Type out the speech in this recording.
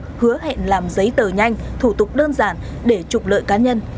và hứa hẹn làm giấy tờ nhanh thủ tục đơn giản để trục lợi cá nhân